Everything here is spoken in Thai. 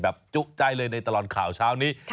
จุใจเลยในตลอดข่าวเช้านี้